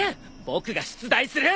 僕が出題する！